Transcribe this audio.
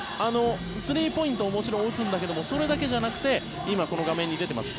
スリーポイントをもちろん打つんだけどもそれだけじゃなくて今、画面に出ています